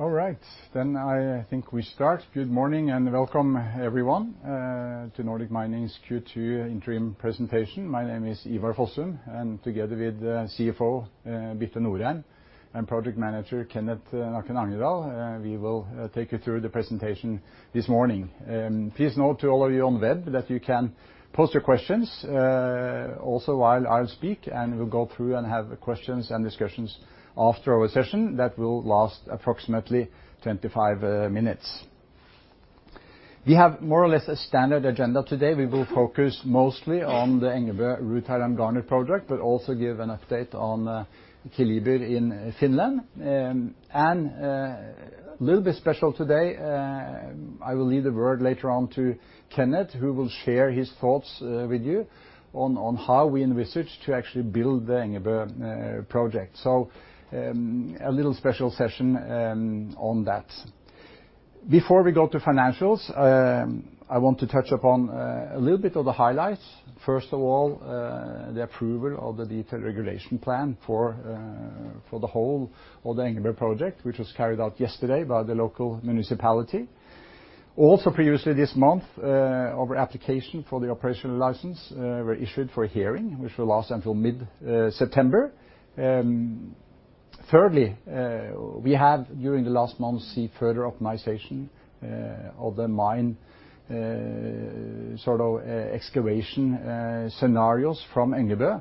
All right, then I think we start. Good morning and welcome, everyone, to Nordic Mining's Q2 Interim Presentation. My name is Ivar Fossum, and together with CFO Birte Norheim and Project Manager Kenneth Angedal, we will take you through the presentation this morning. Please note to all of you on the web that you can post your questions also while I'll speak, and we'll go through and have questions and discussions after our session that will last approximately 25 minutes. We have more or less a standard agenda today. We will focus mostly on the Engebø rutile and garnet project, but also give an update on Keliber in Finland. A little bit special today, I will leave the word later on to Kenneth, who will share his thoughts with you on how we in research to actually build the Engebø project. A little special session on that. Before we go to financials, I want to touch upon a little bit of the highlights. First of all, the approval of the detailed regulation plan for the whole of the Engebø project, which was carried out yesterday by the local municipality. Also, previously this month, our application for the operational license was issued for hearing, which will last until mid-September. Thirdly, we have during the last month seen further optimization of the mine excavation scenarios from Engebø,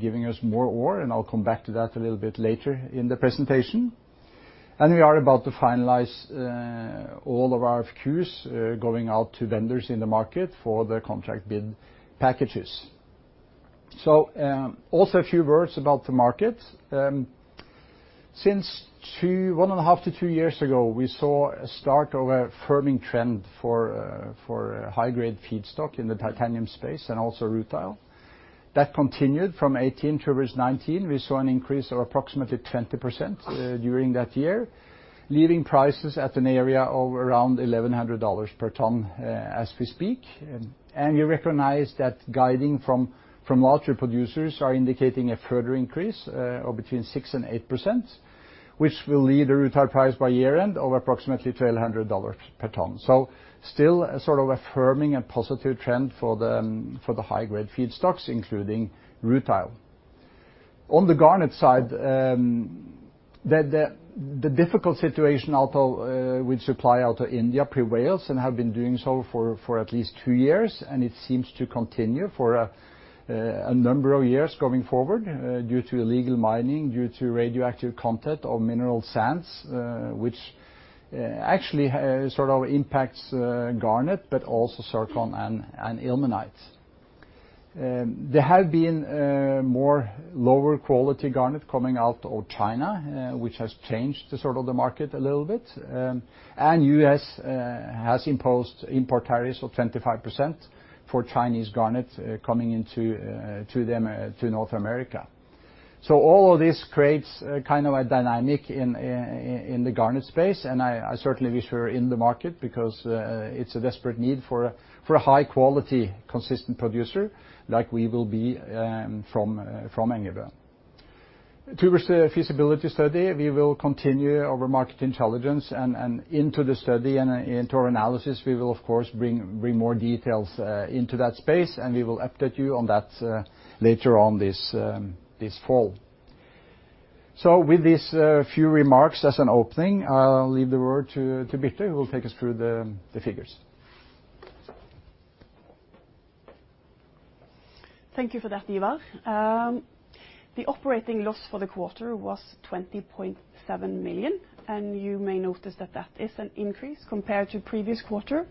giving us more ore, and I'll come back to that a little bit later in the presentation. We are about to finalize all of our queues going out to vendors in the market for the contract bid packages. A few words about the market. Since one and a half to two years ago, we saw a start of a firming trend for high-grade feedstock in the titanium space and also rutile. That continued from 2018-2019. We saw an increase of approximately 20% during that year, leaving prices at an area of around $1,100 per ton as we speak. We recognize that guiding from larger producers is indicating a further increase of between 6% and 8%, which will lead the rutile price by year-end of approximately $1,200 per ton. Still a sort of a firming and positive trend for the high-grade feedstocks, including rutile. On the garnet side, the difficult situation with supply out of India prevails and has been doing so for at least two years, and it seems to continue for a number of years going forward due to illegal mining, due to radioactive content of mineral sands, which actually impacts garnet, but also zircon and ilmenite. There have been more lower quality garnet coming out of China, which has changed the market a little bit. The U.S. has imposed import tariffs of 25% for Chinese garnet coming into North America. All of this creates kind of a dynamic in the garnet space, and I certainly wish we were in the market because it's a desperate need for a high-quality, consistent producer like we will be from Engebø. To the feasibility study, we will continue our market intelligence, and into the study and into our analysis, we will, of course, bring more details into that space, and we will update you on that later on this fall. With these few remarks as an opening, I'll leave the word to Birte, who will take us through the figures. Thank you for that, Ivar. The operating loss for the quarter was 20.7 million, and you may notice that that is an increase compared to the previous quarter.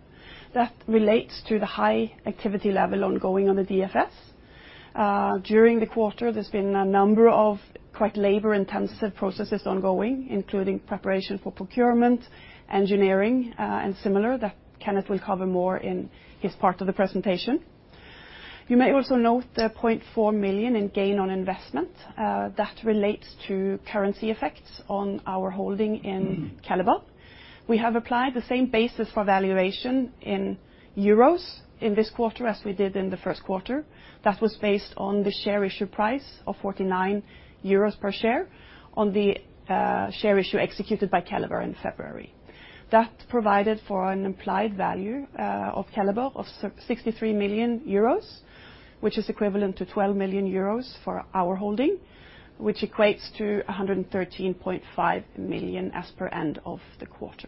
That relates to the high activity level ongoing on the DFS. During the quarter, there's been a number of quite labor-intensive processes ongoing, including preparation for procurement, engineering, and similar that Kenneth will cover more in his part of the presentation. You may also note the 0.4 million in gain on investment. That relates to currency effects on our holding in Keliber. We have applied the same basis for valuation in euros in this quarter as we did in the first quarter. That was based on the share issue price of 49 euros per share on the share issue executed by Keliber in February. That provided for an implied value of Keliber of 63 million euros, which is equivalent to 12 million euros for our holding, which equates to 113.5 million as per end of the quarter.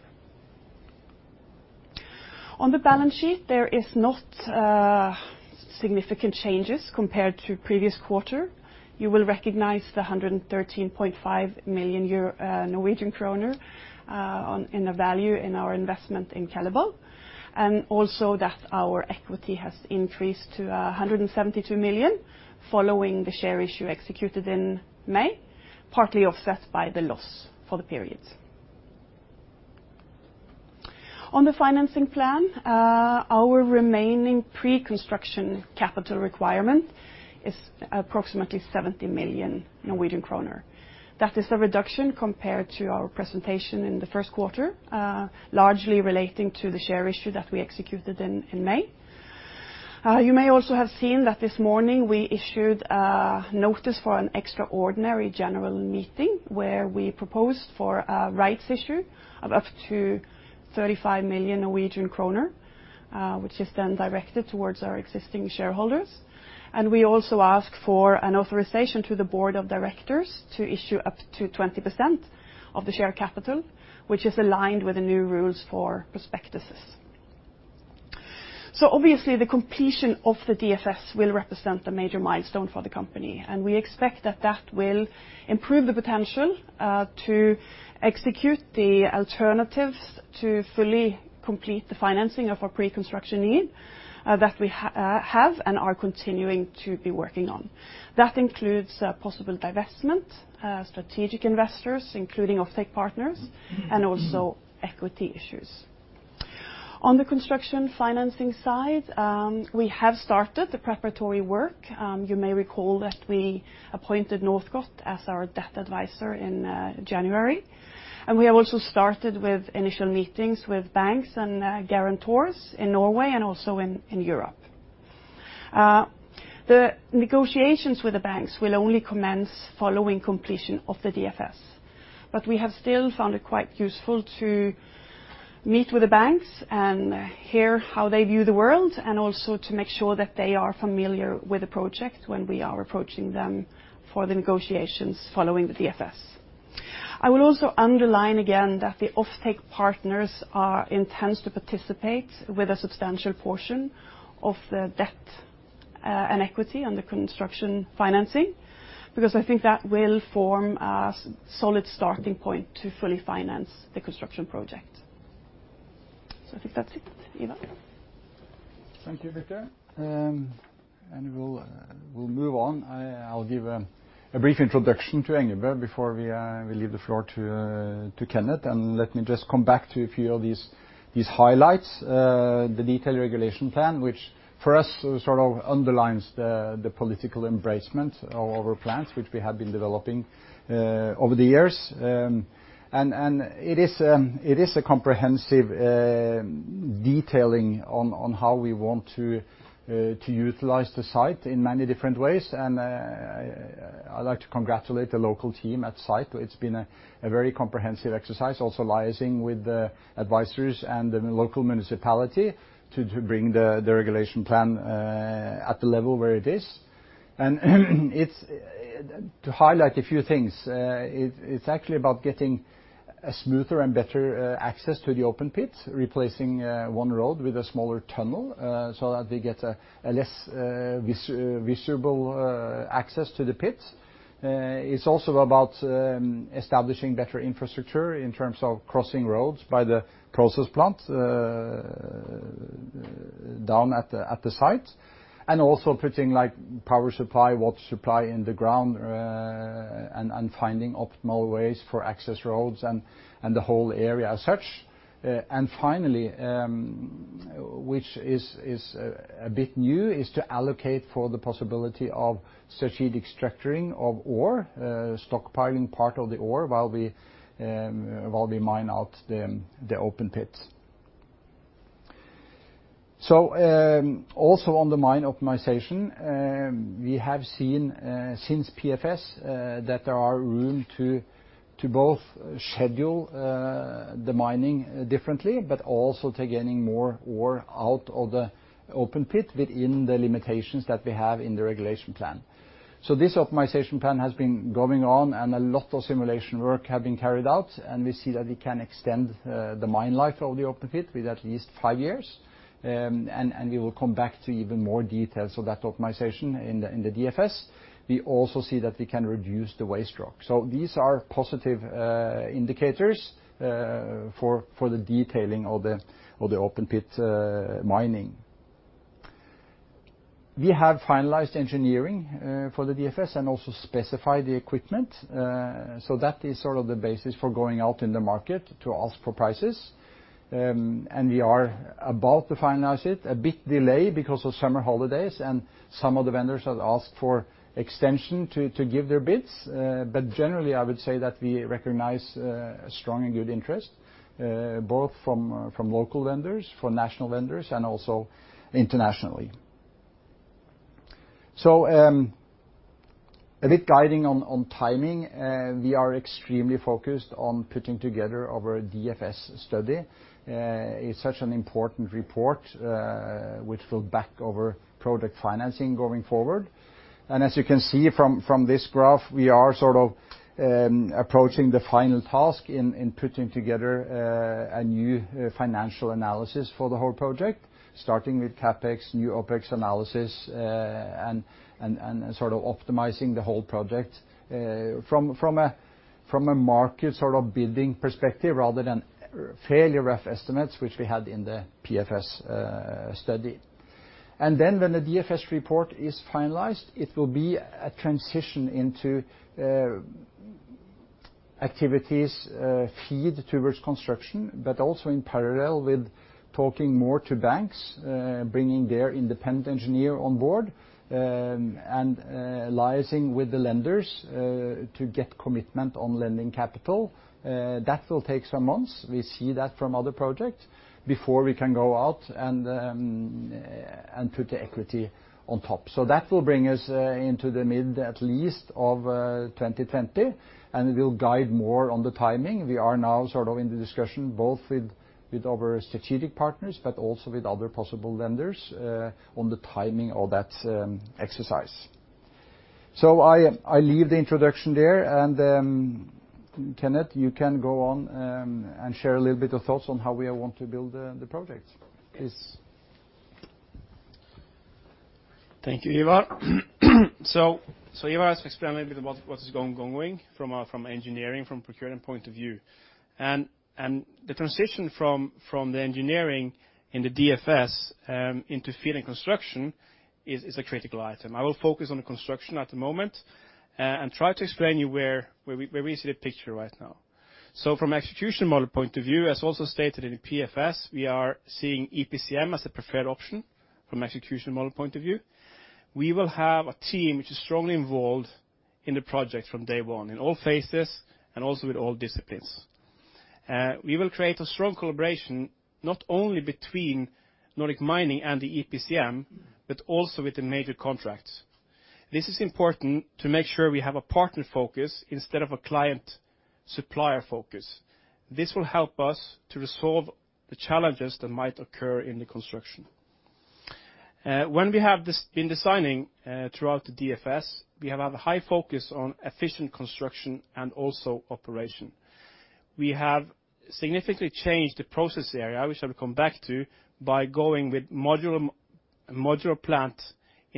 On the balance sheet, there are not significant changes compared to the previous quarter. You will recognize the NOK 113.5 million in value in our investment in Keliber, and also that our equity has increased to 172 million following the share issue executed in May, partly offset by the loss for the periods. On the financing plan, our remaining pre-construction capital requirement is approximately 70 million Norwegian kroner. That is a reduction compared to our presentation in the first quarter, largely relating to the share issue that we executed in May. You may also have seen that this morning we issued a notice for an extraordinary general meeting where we proposed for a rights issue of up to 35 million Norwegian kroner, which is then directed towards our existing shareholders. We also asked for an authorization to the Board of Directors to issue up to 20% of the share capital, which is aligned with the new rules for prospectuses. Obviously, the completion of the DFS will represent a major milestone for the company, and we expect that that will improve the potential to execute the alternatives to fully complete the financing of our pre-construction need that we have and are continuing to be working on. That includes possible divestment, strategic investors, including offtake partners, and also equity issues. On the construction financing side, we have started the preparatory work. You may recall that we appointed Nordgott as our debt advisor in January, and we have also started with initial meetings with banks and guarantors in Norway and also in Europe. The negotiations with the banks will only commence following completion of the DFS, but we have still found it quite useful to meet with the banks and hear how they view the world and also to make sure that they are familiar with the project when we are approaching them for the negotiations following the DFS. I will also underline again that the offtake partners intend to participate with a substantial portion of the debt and equity on the construction financing because I think that will form a solid starting point to fully finance the construction project. I think that's it, Ivar. Thank you, Birte. We'll move on. I'll give a brief introduction to Engebø before we leave the floor to Kenneth, and let me just come back to a few of these highlights. The detailed regulation plan, which for us underlines the political embracement of our plans, which we have been developing over the years. It is a comprehensive detailing on how we want to utilize the site in many different ways. I'd like to congratulate the local team at site. It's been a very comprehensive exercise, also liaising with the advisors and the local municipality to bring the regulation plan at the level where it is. To highlight a few things, it's actually about getting smoother and better access to the open pit, replacing one road with a smaller tunnel so that we get a less visible access to the pit. is also about establishing better infrastructure in terms of crossing roads by the process plant down at the site, and also putting power supply, water supply in the ground, and finding optimal ways for access roads and the whole area as such. Finally, which is a bit new, is to allocate for the possibility of strategic structuring of ore, stockpiling part of the ore while we mine out the open pit. Also on the mine optimization, we have seen since PFS that there is room to both schedule the mining differently, but also to gain more ore out of the open pit within the limitations that we have in the regulation plan. This optimization plan has been going on, and a lot of simulation work has been carried out, and we see that we can extend the mine life of the open pit with at least five years. We will come back to even more details of that optimization in the DFS. We also see that we can reduce the waste rock. These are positive indicators for the detailing of the open pit mining. We have finalized engineering for the DFS and also specified the equipment. That is sort of the basis for going out in the market to ask for prices. We are about to finalize it, a bit delayed because of summer holidays, and some of the vendors have asked for extension to give their bids. Generally, I would say that we recognize strong and good interest, both from local vendors, from national vendors, and also internationally. A bit guiding on timing, we are extremely focused on putting together our DFS study. It's such an important report, which will back our project financing going forward. As you can see from this graph, we are sort of approaching the final task in putting together a new financial analysis for the whole project, starting with CapEx, new OpEx analysis, and sort of optimizing the whole project from a market sort of bidding perspective rather than fairly rough estimates, which we had in the PFS study. When the DFS report is finalized, it will be a transition into activities feed towards construction, but also in parallel with talking more to banks, bringing their independent engineer on board, and liaising with the lenders to get commitment on lending capital. That will take some months. We see that from other projects before we can go out and put the equity on top. That will bring us into the mid at least of 2020, and it will guide more on the timing. We are now sort of in the discussion both with our strategic partners, but also with other possible lenders on the timing of that exercise. I leave the introduction there, and Kenneth, you can go on and share a little bit of thoughts on how we want to build the project. Please. Thank you, Ivar. Ivar has explained a little bit about what is going on from engineering, from a procurement point of view. The transition from the engineering in the Definitive Feasibility Study into feed and construction is a critical item. I will focus on the construction at the moment and try to explain to you where we see the picture right now. From an execution model point of view, as also stated in the Pre-Feasibility Study, we are seeing Engineering, Procurement, Construction Management as a preferred option from an execution model point of view. We will have a team which is strongly involved in the project from day one in all phases and also with all disciplines. We will create a strong collaboration not only between Nordic Mining and the Engineering, Procurement, Construction Management, but also with the major contracts. This is important to make sure we have a partner focus instead of a client-supplier focus. This will help us to resolve the challenges that might occur in the construction. When we have been designing throughout the DFS, we have a high focus on efficient construction and also operation. We have significantly changed the process area, which I will come back to, by going with modular plant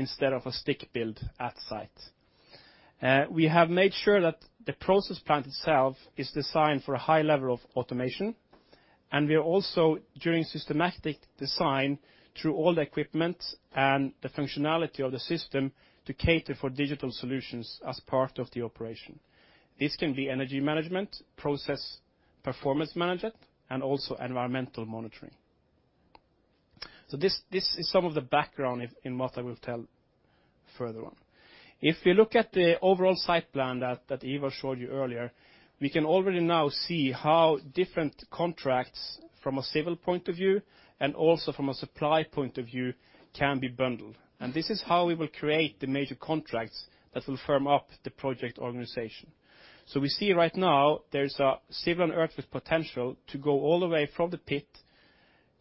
instead of a stick build at site. We have made sure that the process plant itself is designed for a high level of automation, and we are also doing systematic design through all the equipment and the functionality of the system to cater for digital solutions as part of the operation. This can be energy management, process performance management, and also environmental monitoring. This is some of the background in what I will tell further on. If we look at the overall site plan that Ivar showed you earlier, we can already now see how different contracts from a civil point of view and also from a supply point of view can be bundled. This is how we will create the major contracts that will firm up the project organization. We see right now there is a civil and earth with potential to go all the way from the pit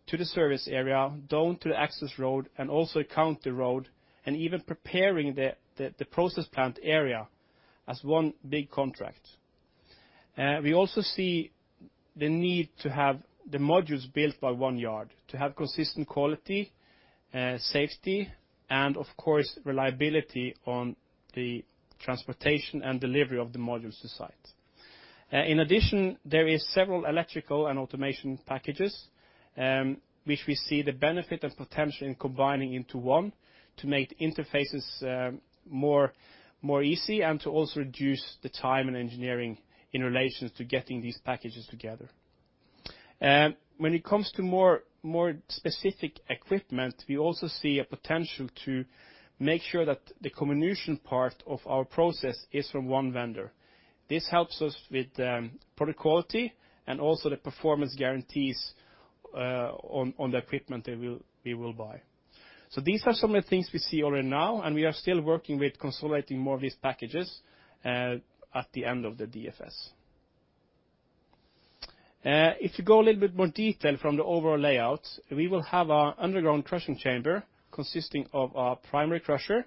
to the service area, down to the access road, and also a county road, and even preparing the process plant area as one big contract. We also see the need to have the modules built by one yard to have consistent quality, safety, and of course reliability on the transportation and delivery of the modules to site. In addition, there are several electrical and automation packages, which we see the benefit and potential in combining into one to make the interfaces more easy and to also reduce the time and engineering in relation to getting these packages together. When it comes to more specific equipment, we also see a potential to make sure that the comminution part of our process is from one vendor. This helps us with product quality and also the performance guarantees on the equipment that we will buy. These are some of the things we see already now, and we are still working with consolidating more of these packages at the end of the DFS. If you go a little bit more detail from the overall layout, we will have our underground crushing chamber consisting of our primary crusher.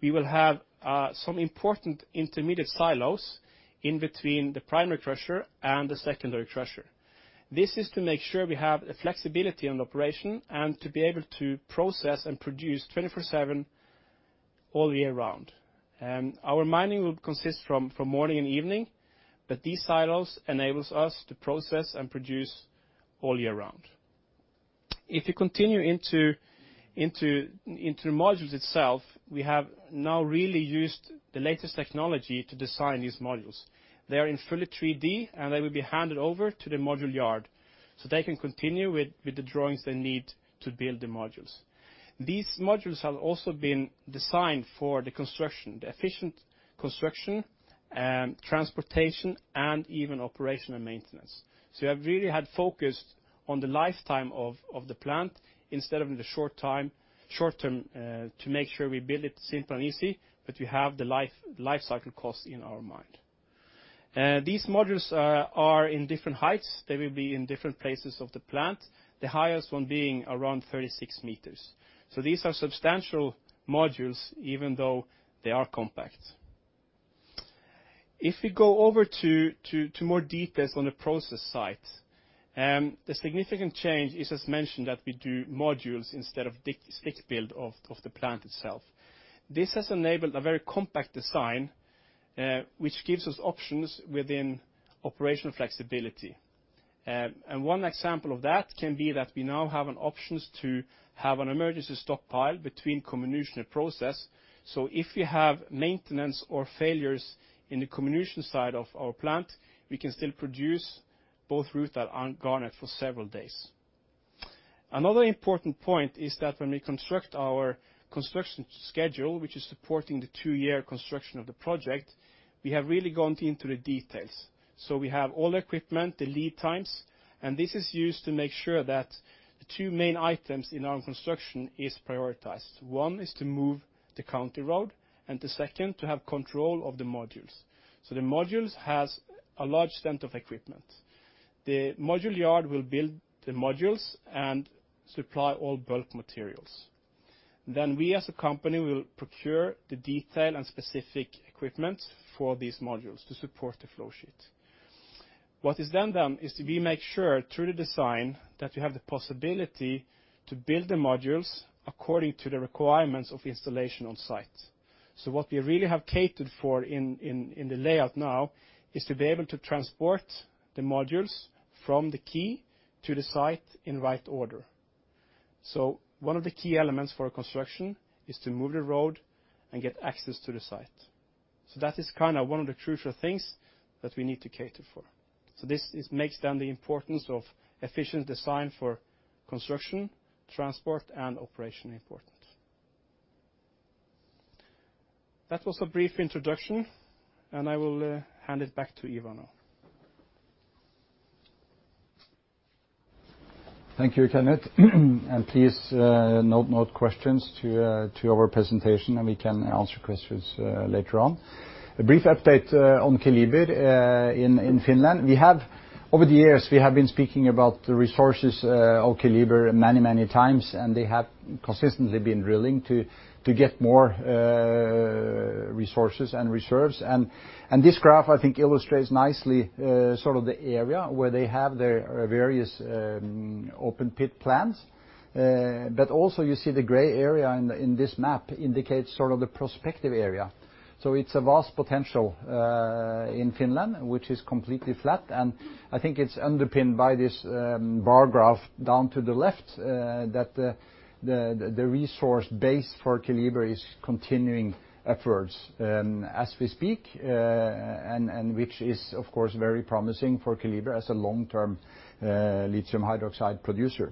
We will have some important intermediate silos in between the primary crusher and the secondary crusher. This is to make sure we have the flexibility in operation and to be able to process and produce 24/7 all year round. Our mining will consist from morning and evening, but these silos enable us to process and produce all year round. If you continue into the modules itself, we have now really used the latest technology to design these modules. They are in fully 3D, and they will be handed over to the module yard so they can continue with the drawings they need to build the modules. These modules have also been designed for the construction, the efficient construction, transportation, and even operational maintenance. We have really had focused on the lifetime of the plant instead of in the short term to make sure we build it simple and easy, but we have the life cycle cost in our mind. These modules are in different heights. They will be in different places of the plant, the highest one being around 36 m. These are substantial modules even though they are compact. If we go over to more details on the process side, the significant change is, as mentioned, that we do modules instead of stick build of the plant itself. This has enabled a very compact design, which gives us options within operational flexibility. One example of that can be that we now have an option to have an emergency stockpile between comminution and process. If we have maintenance or failures in the comminution side of our plant, we can still produce both rutile and garnet for several days. Another important point is that when we construct our construction schedule, which is supporting the two-year construction of the project, we have really gone into the details. We have all the equipment, the lead times, and this is used to make sure that the two main items in our construction are prioritized. One is to move the county road, and the second to have control of the modules. The modules have a large stint of equipment. The module yard will build the modules and supply all bulk materials. We, as a company, will procure the detail and specific equipment for these modules to support the flow sheet. What is then done is we make sure through the design that we have the possibility to build the modules according to the requirements of installation on site. What we really have catered for in the layout now is to be able to transport the modules from the quay to the site in right order. One of the key elements for construction is to move the road and get access to the site. That is kind of one of the crucial things that we need to cater for. This makes then the importance of efficient design for construction, transport, and operation important. That was a brief introduction, and I will hand it back to Ivar now. Thank you, Kenneth. Please note questions to our presentation, and we can answer questions later on. A brief update on Keliber in Finland. Over the years, we have been speaking about the resources of Keliber many, many times, and they have consistently been drilling to get more resources and reserves. This graph, I think, illustrates nicely sort of the area where they have their various open pit plants. You see the gray area in this map indicates sort of the prospective area. It is a vast potential in Finland, which is completely flat. I think it is underpinned by this bar graph down to the left that the resource base for Keliber is continuing efforts as we speak, and which is, of course, very promising for Keliber as a long-term lithium hydroxide producer.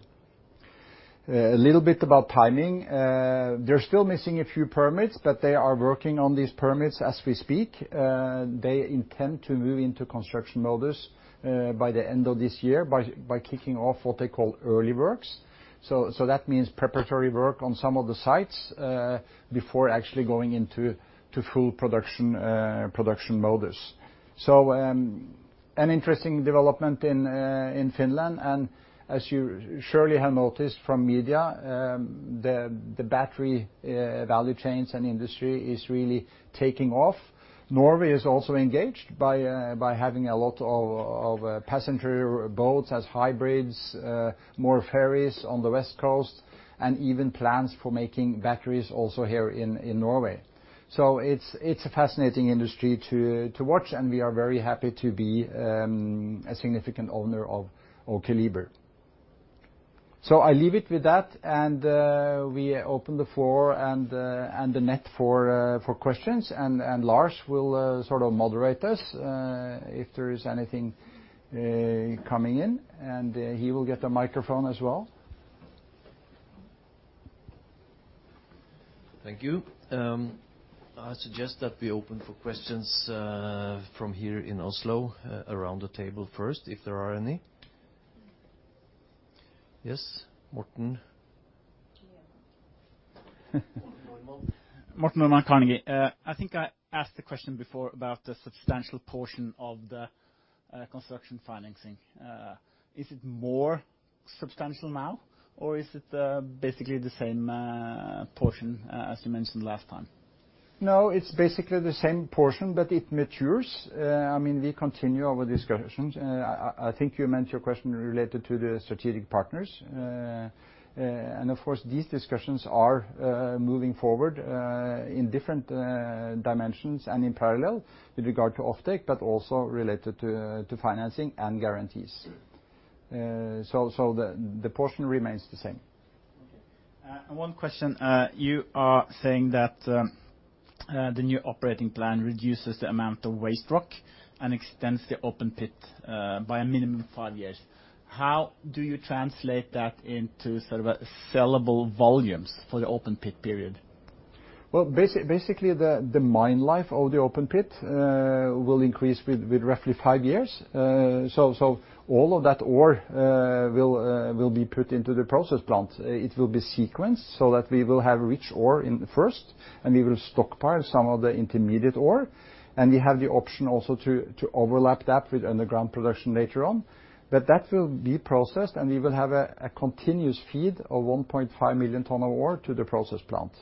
A little bit about timing. They're still missing a few permits, but they are working on these permits as we speak. They intend to move into construction modus by the end of this year by kicking off what they call early works. That means preparatory work on some of the sites before actually going into full production modus. An interesting development in Finland. As you surely have noticed from media, the battery value chains and industry is really taking off. Norway is also engaged by having a lot of passenger boats as hybrids, more ferries on the West Coast, and even plans for making batteries also here in Norway. It is a fascinating industry to watch, and we are very happy to be a significant owner of Keliber. I leave it with that, and we open the floor and the net for questions. Lars will sort of moderate us if there is anything coming in, and he will get a microphone as well. Thank you. I suggest that we open for questions from here in Oslo around the table first if there are any. Yes, Morten. Morten and I, Carnegie, I think I asked the question before about the substantial portion of the construction financing. Is it more substantial now, or is it basically the same portion as you mentioned last time? No, it's basically the same portion, but it matures. I mean, we continue our discussions. I think you meant your question related to the strategic partners. Of course, these discussions are moving forward in different dimensions and in parallel with regard to offtake, but also related to financing and guarantees. The portion remains the same. Okay. One question. You are saying that the new operating plan reduces the amount of waste rock and extends the open pit by a minimum of five years. How do you translate that into sort of sellable volumes for the open pit period? Basically, the mine life of the open pit will increase with roughly five years. All of that ore will be put into the process plant. It will be sequenced so that we will have rich ore first, and we will stockpile some of the intermediate ore. We have the option also to overlap that with underground production later on. That will be processed, and we will have a continuous feed of 1.5 million tonnes of ore to the process plant.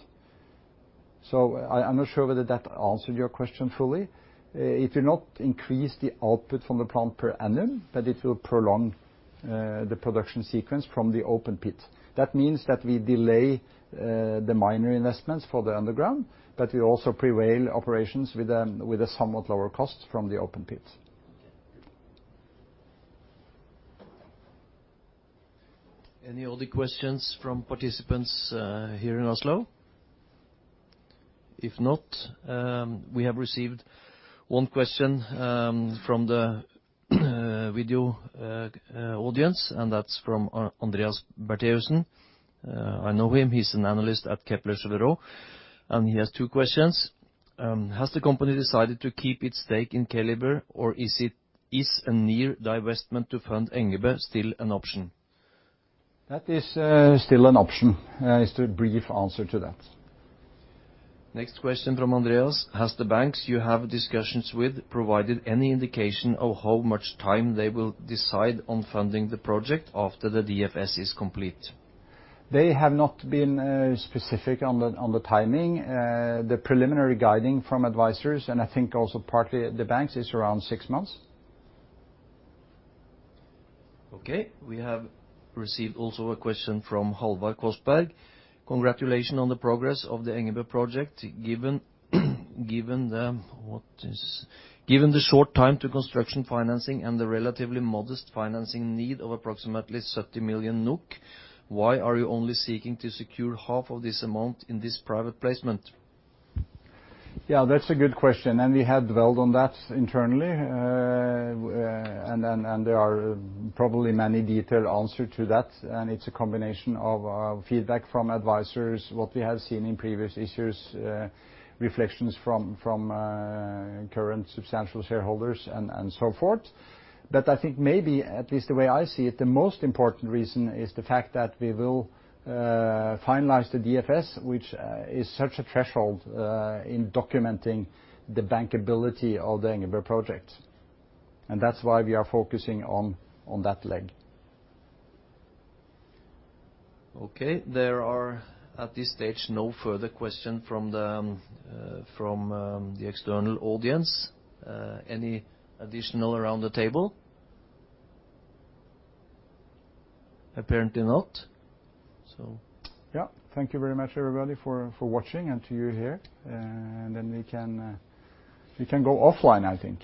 I am not sure whether that answered your question fully. It will not increase the output from the plant per annum, but it will prolong the production sequence from the open pit. That means that we delay the miner investments for the underground, but we also prevail operations with a somewhat lower cost from the open pit. Any other questions from participants here in Oslo? If not, we have received one question from the video audience, and that's from Andreas Berteusen. I know him. He's an analyst at Kepler Cheuvreux, and he has two questions. Has the company decided to keep its stake in Keliber, or is a near divestment to fund Engebø still an option? That is still an option, just a brief answer to that. Next question from Andreas. Has the banks you have discussions with provided any indication of how much time they will decide on funding the project after the DFS is complete? They have not been specific on the timing. The preliminary guiding from advisors, and I think also partly the banks, is around six months. Okay. We have received also a question from Halvard Korsberg. Congratulations on the progress of the Engebø project. Given the short time to construction financing and the relatively modest financing need of approximately 30 million NOK, why are you only seeking to secure half of this amount in this private placement? Yeah, that's a good question. We have dwelled on that internally, and there are probably many detailed answers to that. It is a combination of feedback from advisors, what we have seen in previous issues, reflections from current substantial shareholders, and so forth. I think maybe, at least the way I see it, the most important reason is the fact that we will finalize the DFS, which is such a threshold in documenting the bankability of the Engebø project. That is why we are focusing on that leg. Okay. There are, at this stage, no further questions from the external audience. Any additional around the table? Apparently not. Yeah. Thank you very much, everybody, for watching and to you here. We can go offline, I think.